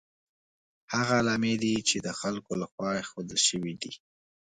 هغه علامې دي چې د خلکو له خوا ایښودل شوي دي.